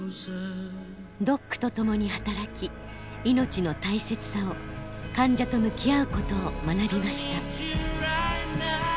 ドックと共に働き命の大切さを患者と向き合うことを学びました。